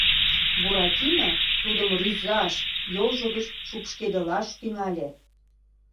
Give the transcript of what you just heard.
Буратино тудым рӱзаш, йолжо гыч шупшкедылаш тӱҥале.